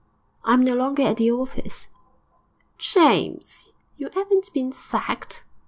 'I am no longer at the office.' 'James! You 'aven't been sacked?'